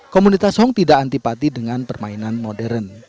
komunitas hong tidak antipati dengan permainan modern